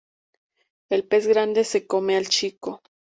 El pez grande se come al chico